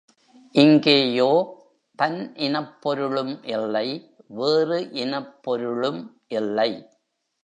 இங்கேயோ தன் இனப் பொருளும் இல்லை, வேறு இனப் பொருளும் இல்லை.